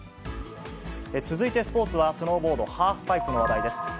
続いてスポーツは、スノーボードハーフパイプの話題です。